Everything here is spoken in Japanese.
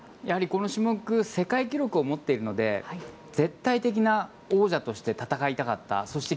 この種目世界記録を持っているので王者として戦いたかった。